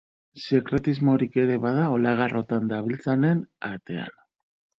Sekretismorik ere bada olagarrotan dabiltzanen artean.